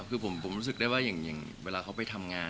คือผมคิดว่าเวลาเขาไปทำงาน